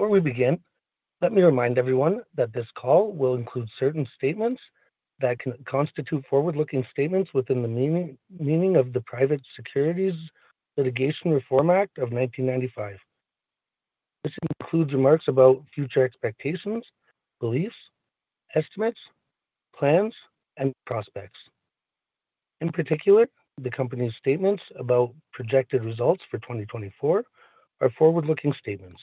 Before we begin, let me remind everyone that this call will include certain statements that can constitute forward-looking statements within the meaning of the Private Securities Litigation Reform Act of 1995. This includes remarks about future expectations, beliefs, estimates, plans, and prospects. In particular, the company's statements about projected results for 2024 are forward-looking statements.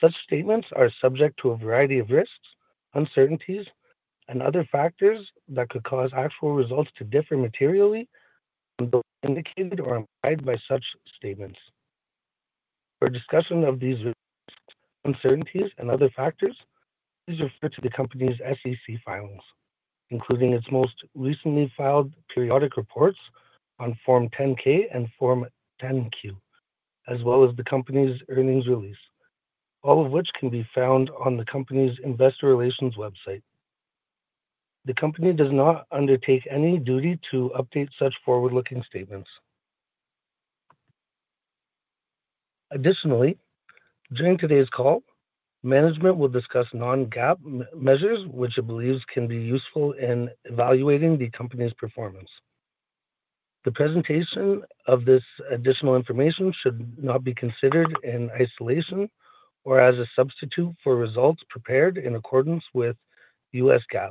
Such statements are subject to a variety of risks, uncertainties, and other factors that could cause actual results to differ materially from those indicated or implied by such statements. For discussion of these risks, uncertainties, and other factors, please refer to the company's SEC filings, including its most recently filed periodic reports on Form 10-K and Form 10-Q, as well as the company's earnings release, all of which can be found on the company's Investor Relations website. The company does not undertake any duty to update such forward-looking statements. Additionally, during today's call, management will discuss non-GAAP measures which it believes can be useful in evaluating the company's performance. The presentation of this additional information should not be considered in isolation or as a substitute for results prepared in accordance with U.S. GAAP.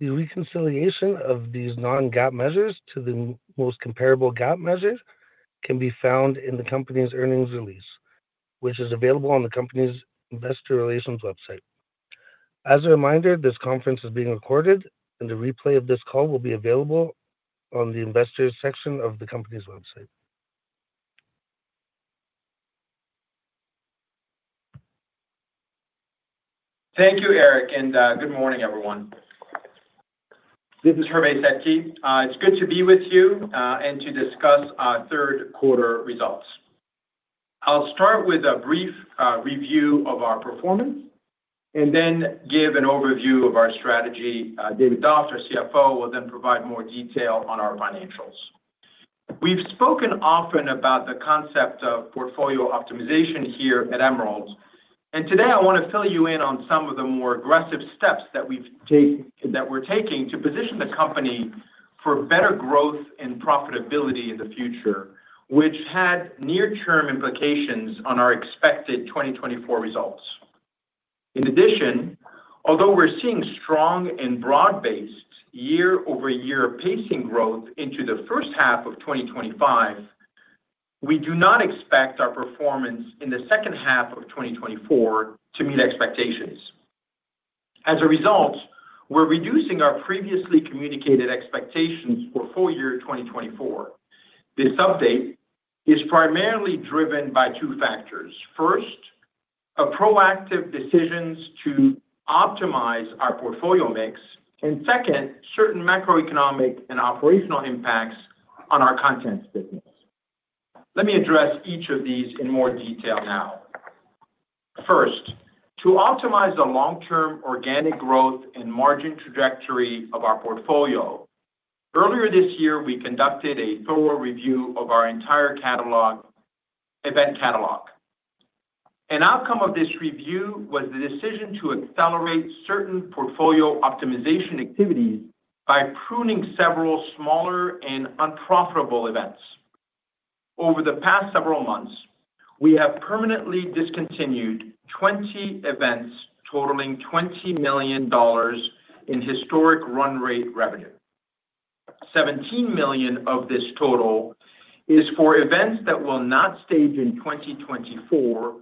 The reconciliation of these non-GAAP measures to the most comparable GAAP measures can be found in the company's earnings release, which is available on the company's Investor Relations website. As a reminder, this conference is being recorded, and a replay of this call will be available on the investors' section of the company's website. Thank you Eric, and good morning, everyone. This is Hervé Sedky. It's good to be with you and to discuss third-quarter results. I'll start with a brief review of our performance and then give an overview of our strategy. David Doft, our CFO, will then provide more detail on our financials. We've spoken often about the concept of portfolio optimization here at Emerald, and today I want to fill you in on some of the more aggressive steps that we're taking to position the company for better growth and profitability in the future, which had near-term implications on our expected 2024 results. In addition, although we're seeing strong and broad-based year-over-year pacing growth into the first half of 2025, we do not expect our performance in the second half of 2024 to meet expectations. As a result, we're reducing our previously communicated expectations for full year 2024. This update is primarily driven by two factors. First, a proactive decision to optimize our portfolio mix, and second, certain macroeconomic and operational impacts on our contents business. Let me address each of these in more detail now. First, to optimize the long-term organic growth and margin trajectory of our portfolio, earlier this year we conducted a thorough review of our entire event catalog. An outcome of this review was the decision to accelerate certain portfolio optimization activities by pruning several smaller and unprofitable events. Over the past several months, we have permanently discontinued 20 events totaling $20 million in historic run rate revenue. $17 million of this total is for events that will not stage in 2024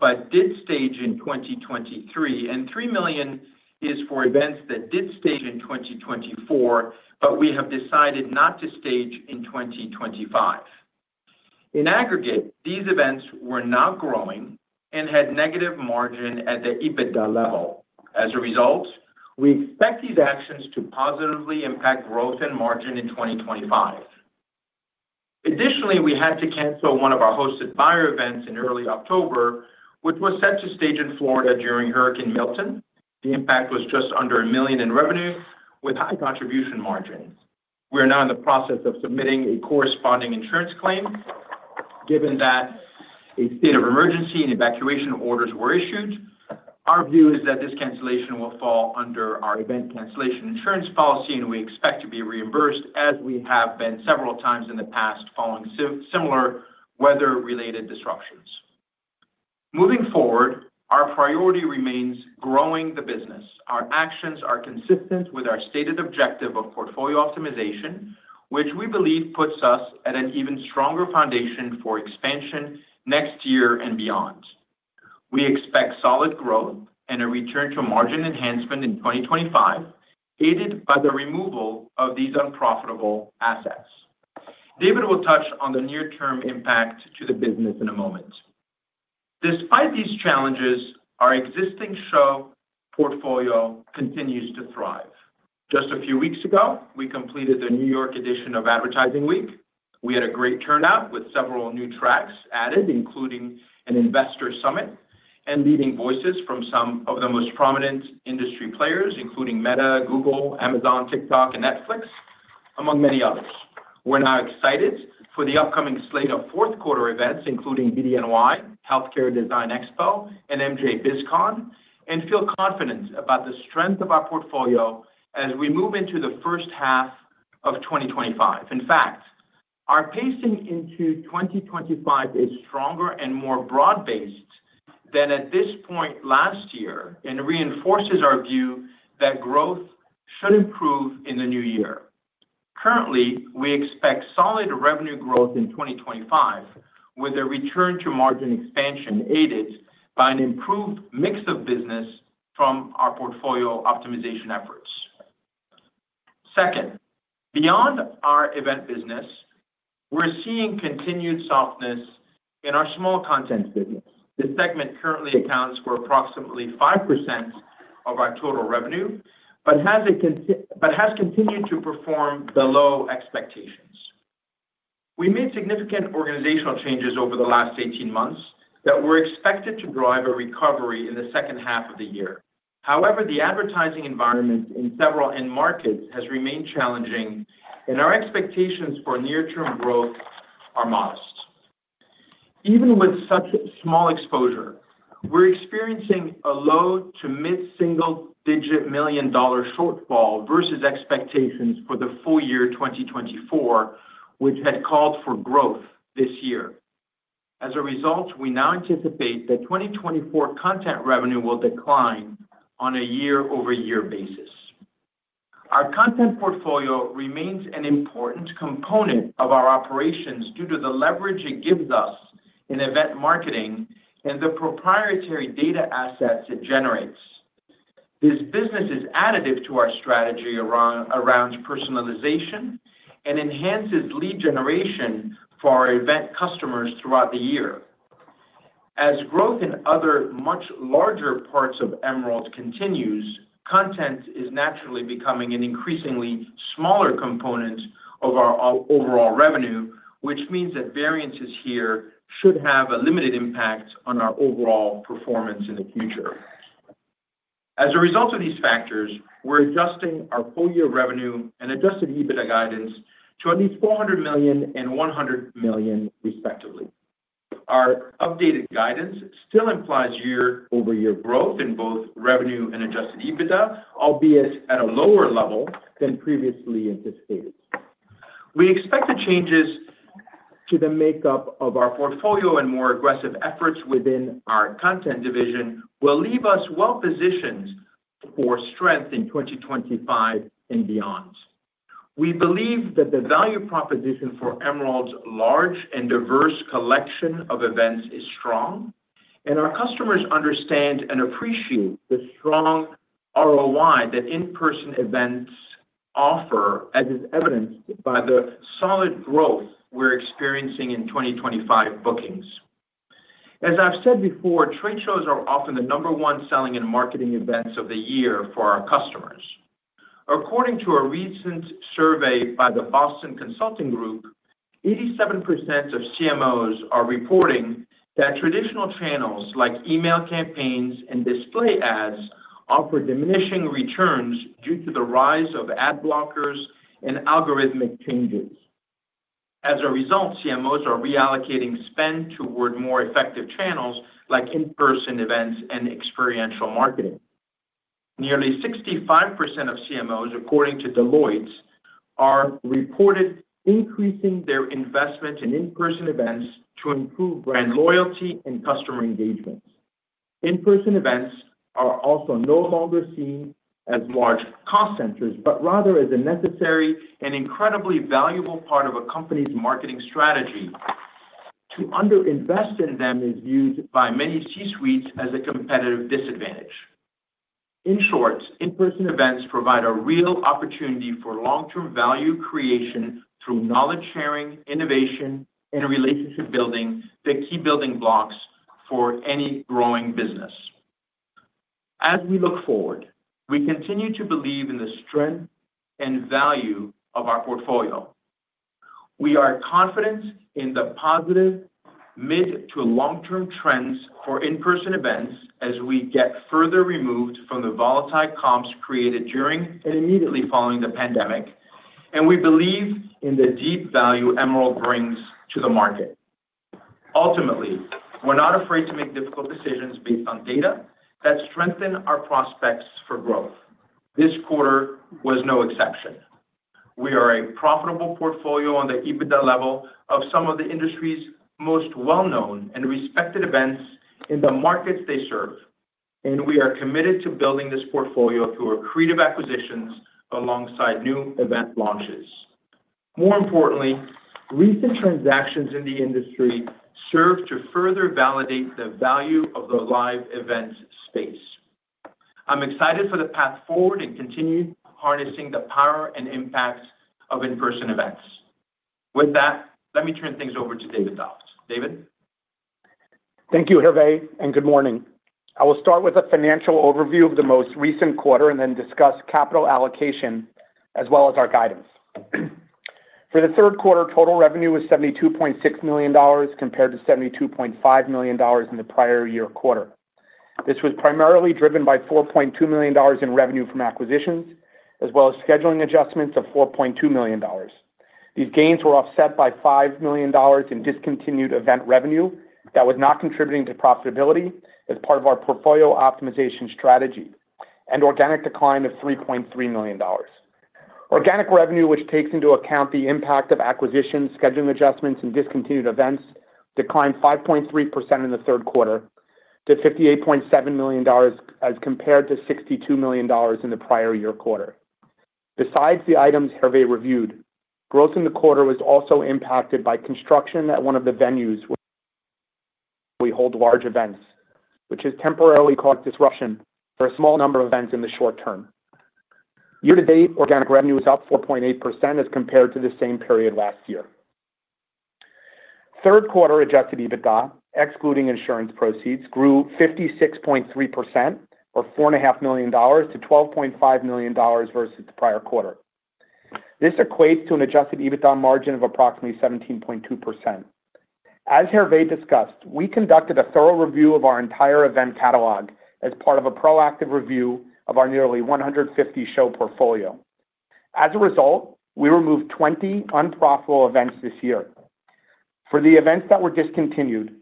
but did stage in 2023, and $3 million is for events that did stage in 2024 but we have decided not to stage in 2025. In aggregate, these events were not growing and had negative margin at the EBITDA level. As a result, we expect these actions to positively impact growth and margin in 2025. Additionally, we had to cancel one of our hosted buyer events in early October, which was set to stage in Florida during Hurricane Milton. The impact was just under $1 million in revenue with high contribution margins. We are now in the process of submitting a corresponding insurance claim. Given that a state of emergency and evacuation orders were issued, our view is that this cancellation will fall under our event cancellation insurance policy, and we expect to be reimbursed as we have been several times in the past following similar weather-related disruptions. Moving forward, our priority remains growing the business. Our actions are consistent with our stated objective of portfolio optimization, which we believe puts us at an even stronger foundation for expansion next year and beyond. We expect solid growth and a return to margin enhancement in 2025, aided by the removal of these unprofitable assets. David will touch on the near-term impact to the business in a moment. Despite these challenges, our existing show portfolio continues to thrive. Just a few weeks ago, we completed the New York edition of Advertising Week. We had a great turnout with several new tracks added, including an investor summit and leading voices from some of the most prominent industry players, including Meta, Google, Amazon, TikTok, and Netflix, among many others. We're now excited for the upcoming slate of fourth-quarter events, including BDNY, Healthcare Design Expo, and MJBizCon, and feel confident about the strength of our portfolio as we move into the first half of 2025. In fact, our pacing into 2025 is stronger and more broad-based than at this point last year and reinforces our view that growth should improve in the new year. Currently, we expect solid revenue growth in 2025 with a return to margin expansion aided by an improved mix of business from our portfolio optimization efforts. Second, beyond our event business, we're seeing continued softness in our small contents business. This segment currently accounts for approximately 5% of our total revenue but has continued to perform below expectations. We made significant organizational changes over the last 18 months that were expected to drive a recovery in the second half of the year. However, the advertising environment in several end markets has remained challenging, and our expectations for near-term growth are modest. Even with such small exposure, we're experiencing a low to mid-single-digit million-dollar shortfall versus expectations for the full year 2024, which had called for growth this year. As a result, we now anticipate that 2024 content revenue will decline on a year-over-year basis. Our content portfolio remains an important component of our operations due to the leverage it gives us in event marketing and the proprietary data assets it generates. This business is additive to our strategy around personalization and enhances lead generation for our event customers throughout the year. As growth in other much larger parts of Emerald continues, content is naturally becoming an increasingly smaller component of our overall revenue, which means that variances here should have a limited impact on our overall performance in the future. As a result of these factors, we're adjusting our full year revenue and Adjusted EBITDA guidance to at least $400 million and $100 million, respectively. Our updated guidance still implies year-over-year growth in both revenue and Adjusted EBITDA, albeit at a lower level than previously anticipated. We expect the changes to the makeup of our portfolio and more aggressive efforts within our content division will leave us well-positioned for strength in 2025 and beyond. We believe that the value proposition for Emerald's large and diverse collection of events is strong, and our customers understand and appreciate the strong ROI that in-person events offer, as is evidenced by the solid growth we're experiencing in 2025 bookings. As I've said before, trade shows are often the number one selling and marketing events of the year for our customers. According to a recent survey by the Boston Consulting Group, 87% of CMOs are reporting that traditional channels like email campaigns and display ads offer diminishing returns due to the rise of ad blockers and algorithmic changes. As a result, CMOs are reallocating spend toward more effective channels like in-person events and experiential marketing. Nearly 65% of CMOs, according to Deloitte, are reported increasing their investment in in-person events to improve brand loyalty and customer engagement. In-person events are also no longer seen as large cost centers but rather as a necessary and incredibly valuable part of a company's marketing strategy. To underinvest in them is viewed by many C-suites as a competitive disadvantage. In short, in-person events provide a real opportunity for long-term value creation through knowledge sharing, innovation, and relationship building, the key building blocks for any growing business. As we look forward, we continue to believe in the strength and value of our portfolio. We are confident in the positive mid- to long-term trends for in-person events as we get further removed from the volatile comps created during and immediately following the pandemic, and we believe in the deep value Emerald brings to the market. Ultimately, we're not afraid to make difficult decisions based on data that strengthen our prospects for growth. This quarter was no exception. We are a profitable portfolio on the EBITDA level of some of the industry's most well-known and respected events in the markets they serve, and we are committed to building this portfolio through accretive acquisitions alongside new event launches. More importantly, recent transactions in the industry serve to further validate the value of the live event space. I'm excited for the path forward and continue harnessing the power and impact of in-person events. With that, let me turn things over to David Doft. David? Thank you Hervé, and good morning. I will start with a financial overview of the most recent quarter and then discuss capital allocation as well as our guidance. For the third quarter, total revenue was $72.6 million compared to $72.5 million in the prior year quarter. This was primarily driven by $4.2 million in revenue from acquisitions as well as scheduling adjustments of $4.2 million. These gains were offset by $5 million in discontinued event revenue that was not contributing to profitability as part of our portfolio optimization strategy and organic decline of $3.3 million. Organic revenue, which takes into account the impact of acquisitions, scheduling adjustments, and discontinued events, declined 5.3% in the third quarter to $58.7 million as compared to $62 million in the prior year quarter. Besides the items Hervé reviewed, growth in the quarter was also impacted by construction at one of the venues where we hold large events, which has temporarily caused disruption for a small number of events in the short term. Year-to-date, organic revenue was up 4.8% as compared to the same period last year. Third quarter Adjusted EBITDA, excluding insurance proceeds, grew 56.3% or $4.5 million to $12.5 million versus the prior quarter. This equates to an Adjusted EBITDA margin of approximately 17.2%. As Hervé discussed, we conducted a thorough review of our entire event catalog as part of a proactive review of our nearly 150-show portfolio. As a result, we removed 20 unprofitable events this year. For the events that were discontinued,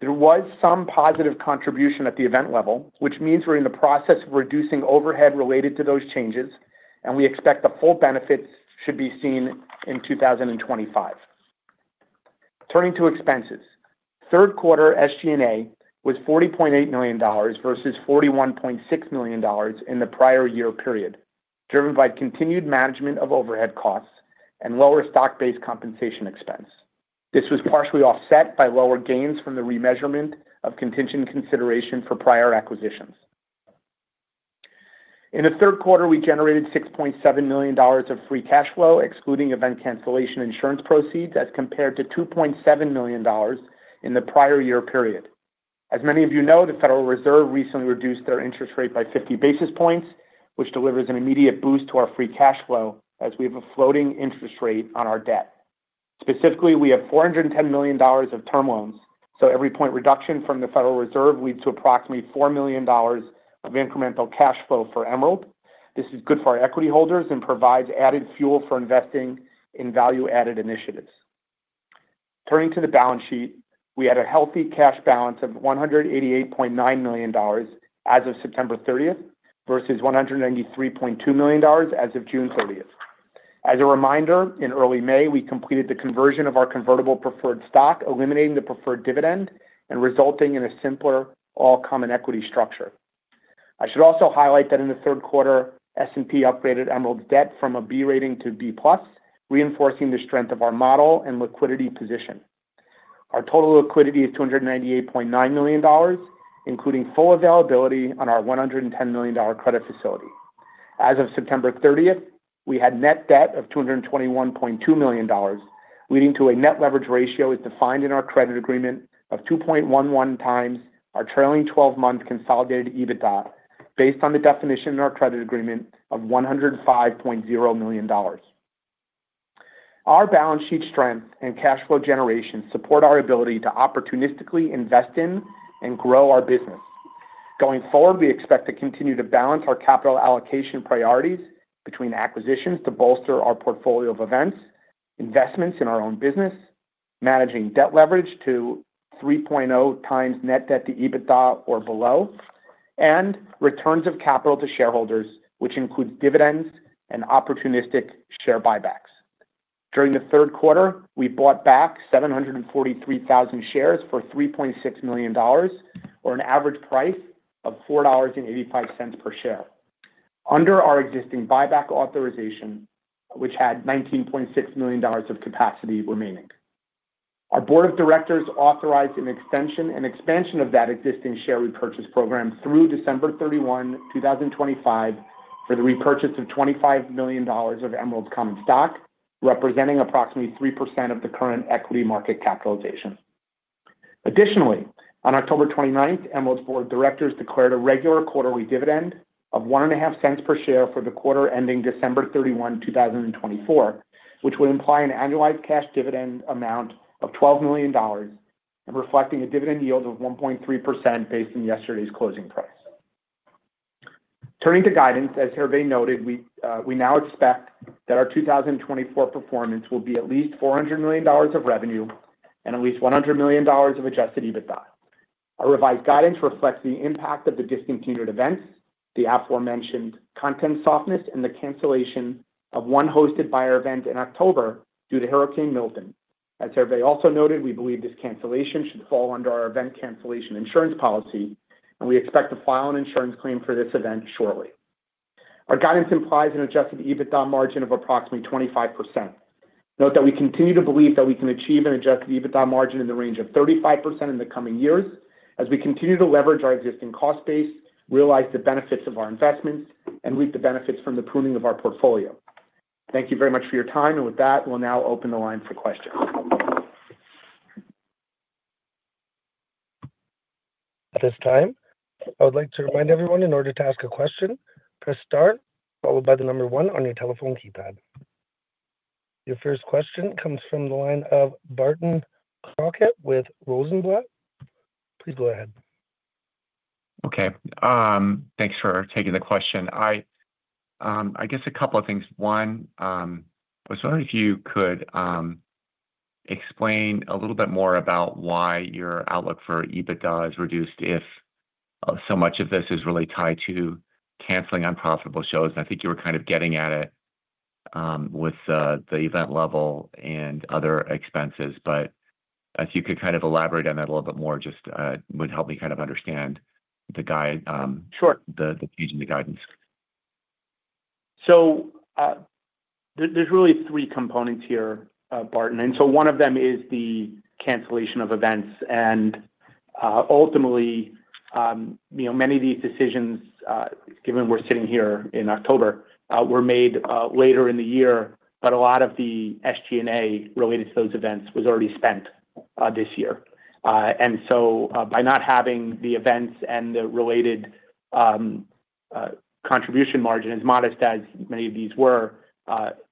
there was some positive contribution at the event level, which means we're in the process of reducing overhead related to those changes, and we expect the full benefits should be seen in 2025. Turning to expenses, third quarter SG&A was $40.8 million versus $41.6 million in the prior year period, driven by continued management of overhead costs and lower stock-based compensation expense. This was partially offset by lower gains from the remeasurement of contingent consideration for prior acquisitions. In the third quarter, we generated $6.7 million of free cash flow, excluding event cancellation insurance proceeds, as compared to $2.7 million in the prior year period. As many of you know, the Federal Reserve recently reduced their interest rate by 50 basis points, which delivers an immediate boost to our free cash flow as we have a floating interest rate on our debt. Specifically, we have $410 million of term loans, so every point reduction from the Federal Reserve leads to approximately $4 million of incremental cash flow for Emerald. This is good for our equity holders and provides added fuel for investing in value-added initiatives. Turning to the balance sheet, we had a healthy cash balance of $188.9 million as of September 30th versus $193.2 million as of June 30th. As a reminder, in early May, we completed the conversion of our convertible preferred stock, eliminating the preferred dividend and resulting in a simpler all-common equity structure. I should also highlight that in the third quarter, S&P upgraded Emerald's debt from a B rating to B plus, reinforcing the strength of our model and liquidity position. Our total liquidity is $298.9 million, including full availability on our $110 million credit facility. As of September 30th, we had net debt of $221.2 million, leading to a net leverage ratio as defined in our credit agreement of 2.11x our trailing 12-month consolidated EBITDA, based on the definition in our credit agreement of $105.0 million. Our balance sheet strength and cash flow generation support our ability to opportunistically invest in and grow our business. Going forward, we expect to continue to balance our capital allocation priorities between acquisitions to bolster our portfolio of events, investments in our own business, managing debt leverage to 3.0 times net debt to EBITDA or below, and returns of capital to shareholders, which includes dividends and opportunistic share buybacks. During the third quarter, we bought back 743,000 shares for $3.6 million, or an average price of $4.85 per share, under our existing buyback authorization, which had $19.6 million of capacity remaining. Our board of directors authorized an extension and expansion of that existing share repurchase program through December 31, 2025, for the repurchase of $25 million of Emerald's common stock, representing approximately 3% of the current equity market capitalization. Additionally, on October 29th, Emerald's board of directors declared a regular quarterly dividend of $1.50 per share for the quarter ending December 31, 2024, which would imply an annualized cash dividend amount of $12 million and reflecting a dividend yield of 1.3% based on yesterday's closing price. Turning to guidance, as Hervé noted, we now expect that our 2024 performance will be at least $400 million of revenue and at least $100 million of Adjusted EBITDA. Our revised guidance reflects the impact of the discontinued events, the aforementioned content softness, and the cancellation of one hosted buyer event in October due to Hurricane Milton. As Hervé also noted, we believe this cancellation should fall under our event cancellation insurance policy, and we expect to file an insurance claim for this event shortly. Our guidance implies an Adjusted EBITDA margin of approximately 25%. Note that we continue to believe that we can achieve an Adjusted EBITDA margin in the range of 35% in the coming years as we continue to leverage our existing cost base, realize the benefits of our investments, and reap the benefits from the pruning of our portfolio. Thank you very much for your time, and with that, we'll now open the line for questions. At this time, I would like to remind everyone, in order to ask a question, press start, followed by the number one on your telephone keypad. Your first question comes from the line of Barton Crockett with Rosenblatt. Please go ahead. Okay. Thanks for taking the question. I guess a couple of things. One, I was wondering if you could explain a little bit more about why your outlook for EBITDA is reduced if so much of this is really tied to canceling unprofitable shows? And I think you were kind of getting at it with the event level and other expenses. But if you could kind of elaborate on that a little bit more, just would help me kind of understand the guidance? Sure. The change in the guidance. So there's really three components here, Barton. And so one of them is the cancellation of events. And ultimately, many of these decisions, given we're sitting here in October, were made later in the year, but a lot of the SG&A related to those events was already spent this year. And so by not having the events and the related contribution margin as modest as many of these were,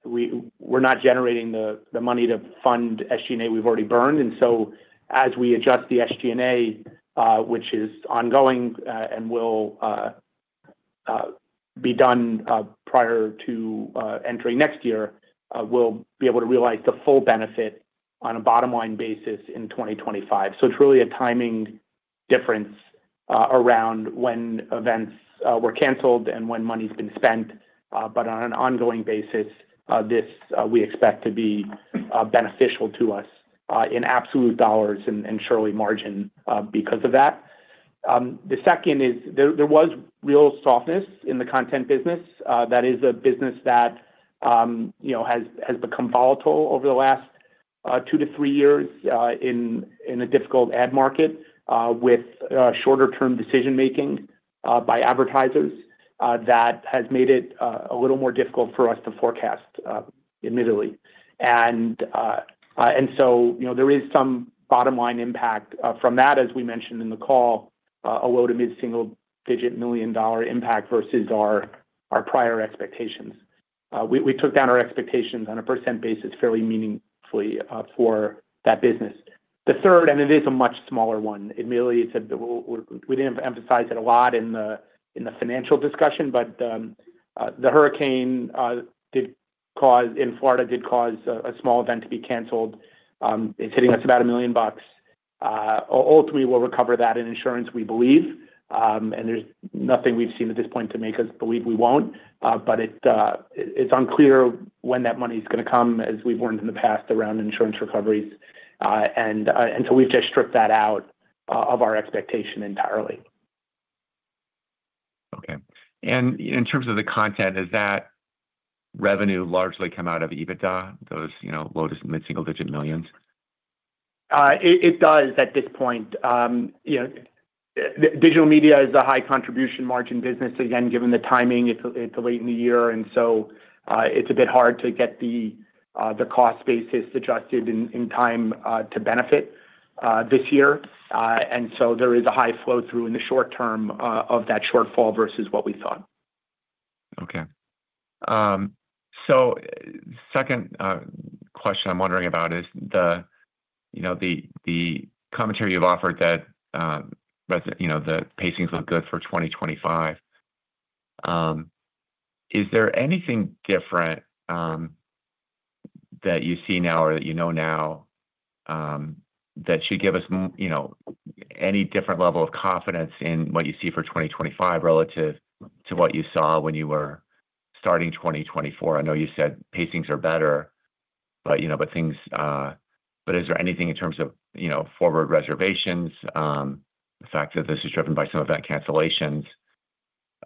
we're not generating the money to fund SG&A we've already burned. And so as we adjust the SG&A, which is ongoing and will be done prior to entering next year, we'll be able to realize the full benefit on a bottom-line basis in 2025. So it's really a timing difference around when events were canceled and when money's been spent. But on an ongoing basis, this we expect to be beneficial to us in absolute dollars and surely margin because of that. The second is there was real softness in the content business. That is a business that has become volatile over the last two to three years in a difficult ad market with shorter-term decision-making by advertisers that has made it a little more difficult for us to forecast, admittedly. And so there is some bottom-line impact from that, as we mentioned in the call, a low- to mid-single-digit million-dollar impact versus our prior expectations. We took down our expectations on a percent basis fairly meaningfully for that business. The third, and it is a much smaller one, admittedly, we didn't emphasize it a lot in the financial discussion, but the hurricane in Florida did cause a small event to be canceled. It's hitting us about $1 million. Ultimately, we'll recover that in insurance, we believe, and there's nothing we've seen at this point to make us believe we won't, but it's unclear when that money's going to come, as we've learned in the past around insurance recoveries, and so we've just stripped that out of our expectation entirely. Okay. And in terms of the content, has that revenue largely come out of EBITDA, those low to mid-single-digit millions? It does at this point. Digital media is a high-contribution margin business. Again, given the timing, it's late in the year, and so it's a bit hard to get the cost basis adjusted in time to benefit this year. And so there is a high flow-through in the short term of that shortfall versus what we thought. Okay. So the second question I'm wondering about is the commentary you've offered that the pacings look good for 2025. Is there anything different that you see now or that you know now that should give us any different level of confidence in what you see for 2025 relative to what you saw when you were starting 2024? I know you said pacings are better, but is there anything in terms of forward reservations, the fact that this is driven by some event cancellations,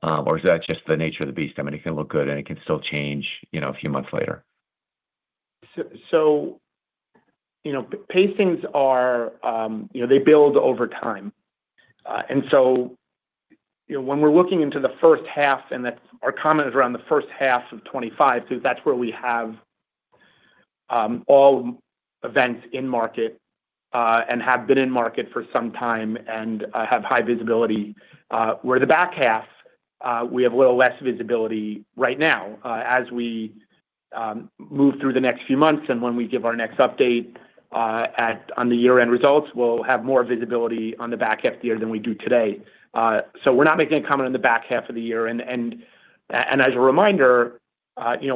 or is that just the nature of the beast? I mean, it can look good, and it can still change a few months later. Pacings as they build over time. When we're looking into the first half, and our comment is around the first half of 2025, because that's where we have all events in market and have been in market for some time and have high visibility. Whereas the back half, we have a little less visibility right now. As we move through the next few months and when we give our next update on the year-end results, we'll have more visibility on the back half of the year than we do today. We're not making a comment on the back half of the year. As a reminder,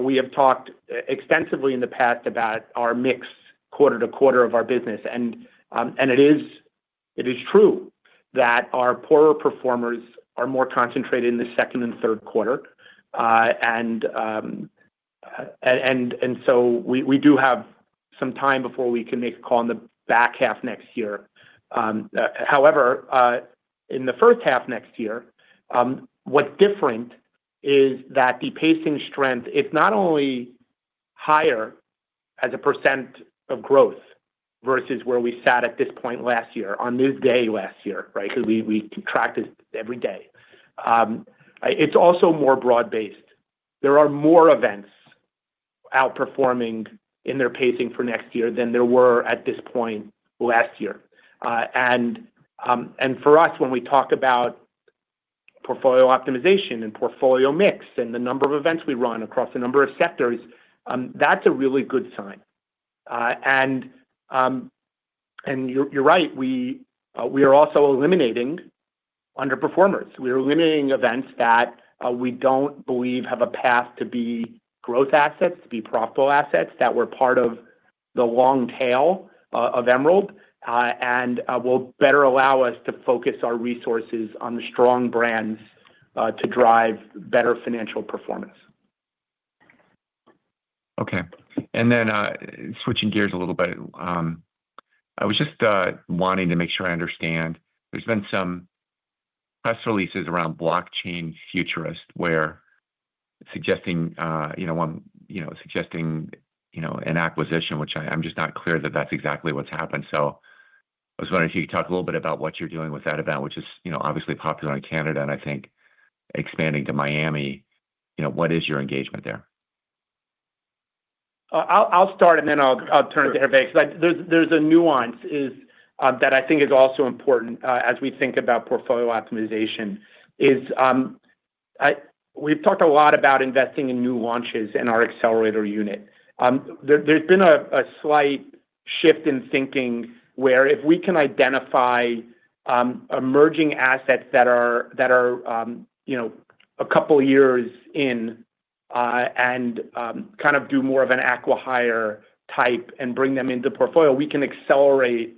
we have talked extensively in the past about our mix quarter to quarter of our business. It is true that our poorer performers are more concentrated in the second and third quarter. And so we do have some time before we can make a call on the back half next year. However, in the first half next year, what's different is that the pacing strength. It's not only higher as a percent of growth versus where we sat at this point last year, on this day last year, right, because we contracted every day. It's also more broad-based. There are more events outperforming in their pacing for next year than there were at this point last year. And for us, when we talk about portfolio optimization and portfolio mix and the number of events we run across a number of sectors, that's a really good sign. And you're right. We are also eliminating underperformers. We are eliminating events that we don't believe have a path to be growth assets, to be profitable assets, that were part of the long tail of Emerald, and will better allow us to focus our resources on the strong brands to drive better financial performance. Okay. And then switching gears a little bit, I was just wanting to make sure I understand. There's been some press releases around Blockchain Futurist were suggesting an acquisition, which I'm just not clear that that's exactly what's happened. So I was wondering if you could talk a little bit about what you're doing with that event, which is obviously popular in Canada, and I think expanding to Miami. What is your engagement there? I'll start, and then I'll turn it to Hervé because there's a nuance that I think is also important as we think about portfolio optimization. We've talked a lot about investing in new launches in our accelerator unit. There's been a slight shift in thinking where if we can identify emerging assets that are a couple of years in and kind of do more of an acqui-hire type and bring them into portfolio, we can accelerate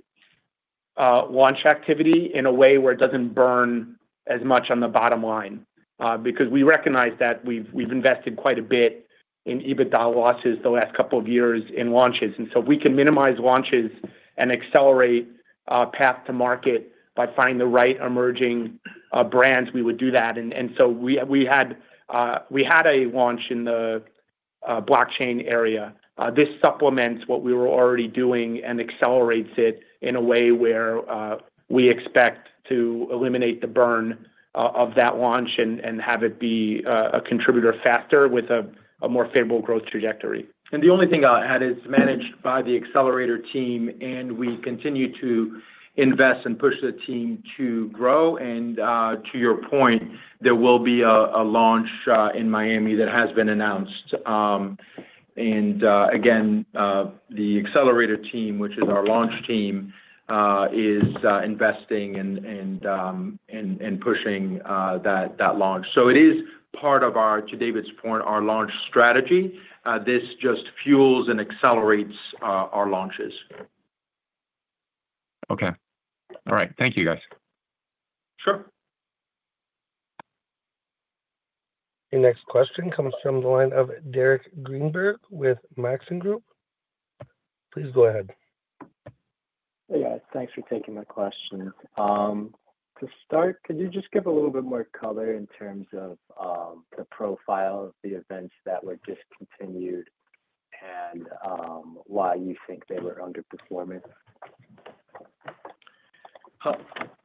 launch activity in a way where it doesn't burn as much on the bottom line. Because we recognize that we've invested quite a bit in EBITDA losses the last couple of years in launches, and so if we can minimize launches and accelerate path to market by finding the right emerging brands, we would do that, and so we had a launch in the blockchain area. This supplements what we were already doing and accelerates it in a way where we expect to eliminate the burn of that launch and have it be a contributor faster with a more favorable growth trajectory, and the only thing I'll add is managed by the accelerator team, and we continue to invest and push the team to grow, and to your point, there will be a launch in Miami that has been announced, and again, the accelerator team, which is our launch team, is investing and pushing that launch, so it is part of our, to David's point, our launch strategy. This just fuels and accelerates our launches. Okay. All right. Thank you, guys. Sure. The next question comes from the line of Derek Greenberg with Maxim Group. Please go ahead. Hey, guys. Thanks for taking my question. To start, could you just give a little bit more color in terms of the profile of the events that were discontinued and why you think they were underperforming?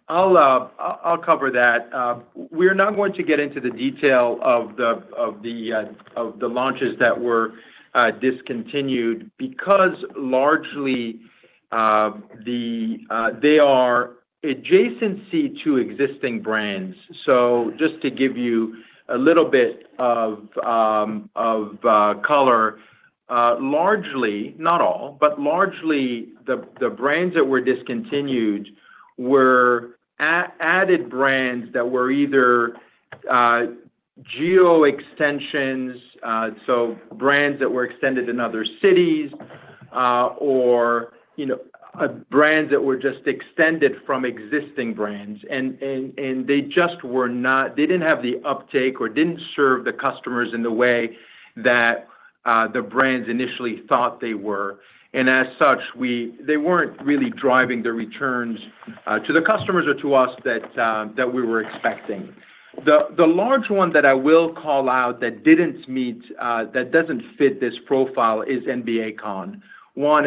I'll cover that. We're not going to get into the detail of the launches that were discontinued because largely they are adjacencies to existing brands. So just to give you a little bit of color, largely not all, but largely the brands that were discontinued were added brands that were either geo extensions, so brands that were extended in other cities or brands that were just extended from existing brands. And they just were not; they didn't have the uptake or didn't serve the customers in the way that the brands initially thought they were. And as such, they weren't really driving the returns to the customers or to us that we were expecting. The large one that I will call out that doesn't meet, that doesn't fit this profile is NBA Con. One,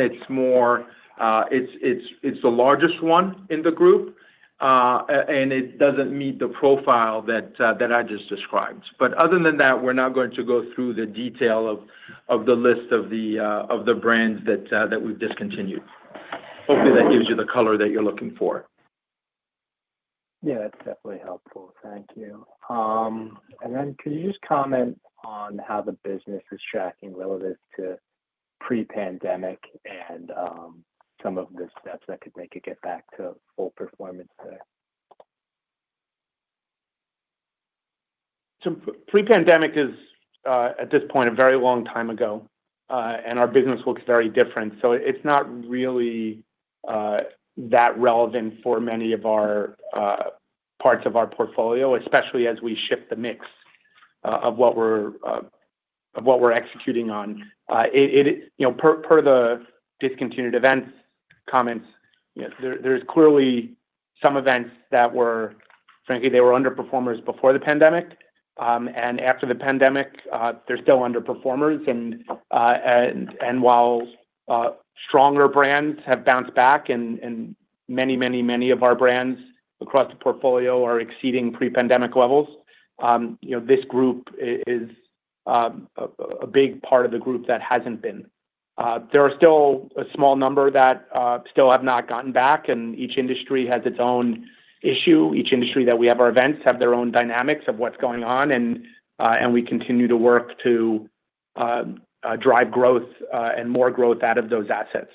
it's the largest one in the group, and it doesn't meet the profile that I just described. But other than that, we're not going to go through the detail of the list of the brands that we've discontinued. Hopefully, that gives you the color that you're looking for. Yeah, that's definitely helpful. Thank you. And then could you just comment on how the business is tracking relative to pre-pandemic and some of the steps that could make it get back to full performance there? Pre-pandemic is, at this point, a very long time ago, and our business looks very different. So it's not really that relevant for many of our parts of our portfolio, especially as we shift the mix of what we're executing on. Per the discontinued events comments, there's clearly some events that were, frankly, they were underperformers before the pandemic. And after the pandemic, they're still underperformers. And while stronger brands have bounced back and many, many, many of our brands across the portfolio are exceeding pre-pandemic levels, this group is a big part of the group that hasn't been. There are still a small number that still have not gotten back. And each industry has its own issue. Each industry that we have our events have their own dynamics of what's going on. And we continue to work to drive growth and more growth out of those assets.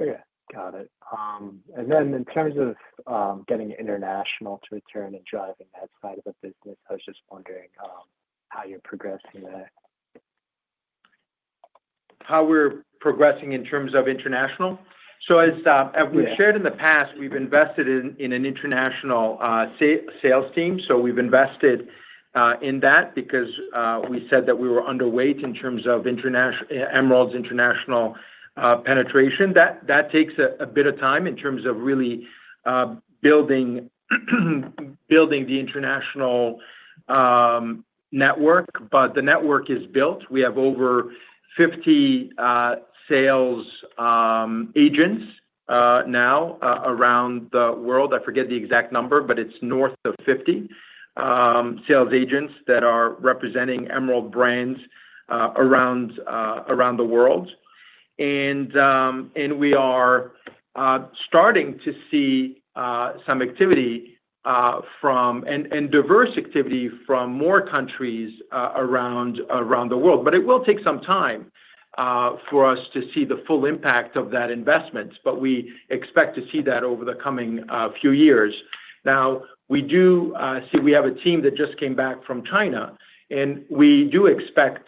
Okay. Got it. And then, in terms of getting international to return and driving that side of the business, I was just wondering how you're progressing there? How we're progressing in terms of international? So as we've shared in the past, we've invested in an international sales team. So we've invested in that because we said that we were underweight in terms of Emerald's international penetration. That takes a bit of time in terms of really building the international network. But the network is built. We have over 50 sales agents now around the world. I forget the exact number, but it's north of 50 sales agents that are representing Emerald brands around the world. And we are starting to see some activity from and diverse activity from more countries around the world. But it will take some time for us to see the full impact of that investment. But we expect to see that over the coming few years. Now, we do see we have a team that just came back from China. We do expect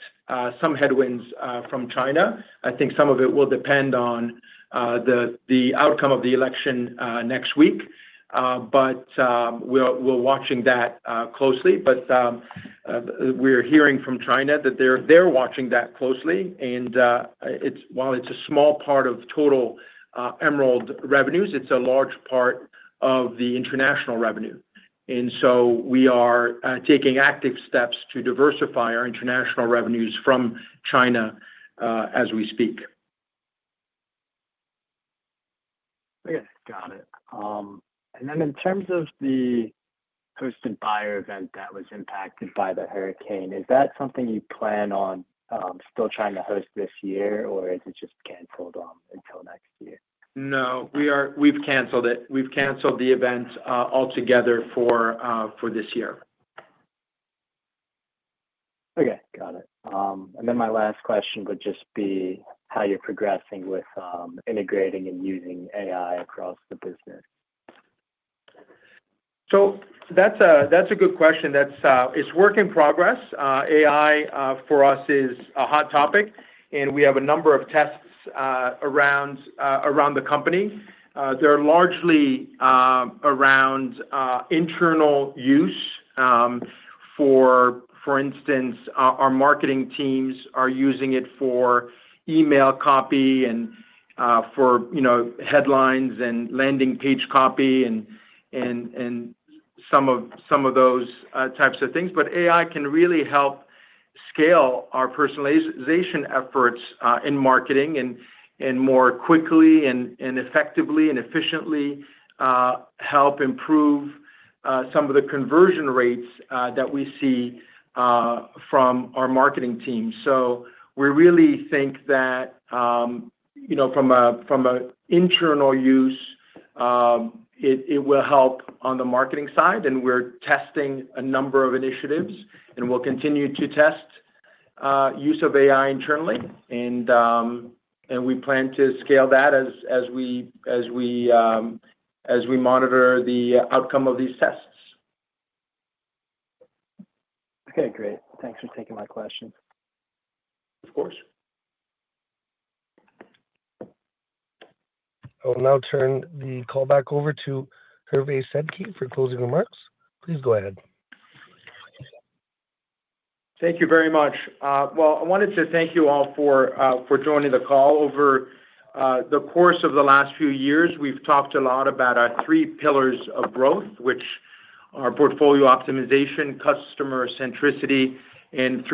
some headwinds from China. I think some of it will depend on the outcome of the election next week. We're watching that closely. We're hearing from China that they're watching that closely. While it's a small part of total Emerald revenues, it's a large part of the international revenue. So we are taking active steps to diversify our international revenues from China as we speak. Okay. Got it. And then in terms of the hosted buyer event that was impacted by the hurricane, is that something you plan on still trying to host this year, or is it just canceled until next year? No, we've canceled it. We've canceled the event altogether for this year. Okay. Got it. And then my last question would just be how you're progressing with integrating and using AI across the business? So that's a good question. It's work in progress. AI, for us, is a hot topic. And we have a number of tests around the company. They're largely around internal use. For instance, our marketing teams are using it for email copy and for headlines and landing page copy and some of those types of things. But AI can really help scale our personalization efforts in marketing and more quickly and effectively and efficiently help improve some of the conversion rates that we see from our marketing team. So we really think that from an internal use, it will help on the marketing side. And we're testing a number of initiatives, and we'll continue to test use of AI internally. And we plan to scale that as we monitor the outcome of these tests. Okay. Great. Thanks for taking my questions. Of course. I will now turn the call back over to Hervé Sedky for closing remarks. Please go ahead. Thank you very much. Well, I wanted to thank you all for joining the call. Over the course of the last few years, we've talked a lot about our three pillars of growth, which are portfolio optimization, customer centricity, and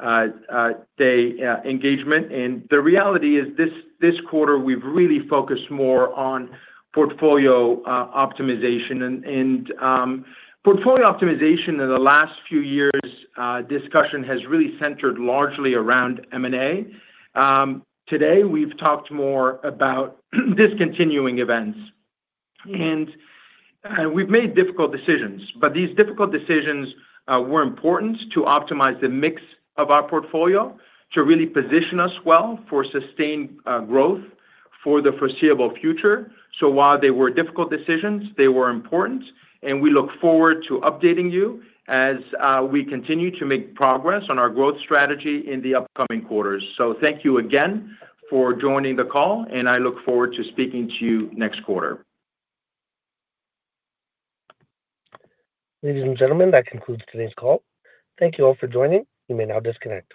365-day engagement. And the reality is this quarter, we've really focused more on portfolio optimization. And portfolio optimization in the last few years' discussion has really centered largely around M&A. Today, we've talked more about discontinuing events. And we've made difficult decisions. But these difficult decisions were important to optimize the mix of our portfolio, to really position us well for sustained growth for the foreseeable future. So while they were difficult decisions, they were important. And we look forward to updating you as we continue to make progress on our growth strategy in the upcoming quarters. So thank you again for joining the call. I look forward to speaking to you next quarter. Ladies and gentlemen, that concludes today's call. Thank you all for joining. You may now disconnect.